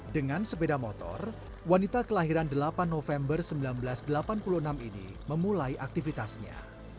dengan sepeda motor wanita kelahiran delapan november seribu sembilan ratus delapan puluh enam ini memulai aktivitasnya